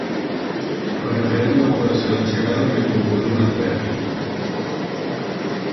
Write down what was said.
O referendo pode ser achegado mesmo por un adverbio.